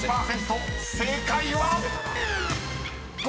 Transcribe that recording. ［正解は⁉］